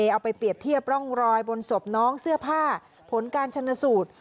เอาไปเปรียบเทียบร่องรอยบนศพน้องเสื้อผ้าผลการชนสูตร